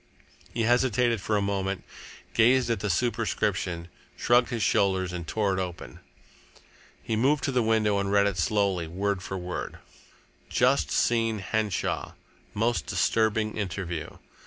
He hesitated for a moment, gazed at the superscription, shrugged his shoulders, and tore it open. He moved to the window and read it slowly, word for word: "Just seen Henshaw. Most disturbing interview.